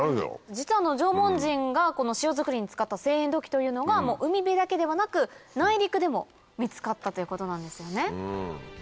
実は縄文人がこの塩づくりに使った製塩土器というのが海辺だけではなく内陸でも見つかったということなんですよね。